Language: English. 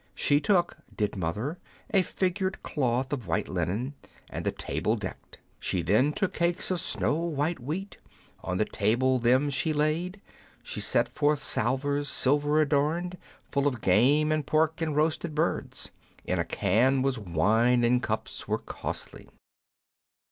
She took, did Mother, a figured cloth Of white linen, and the table decked. She then took cakes of snow white wheat. On the table them she laid. She set forth salvers, silver adorned. Full of game, and pork, and roasted birds. In a can was wine, the cups were costly.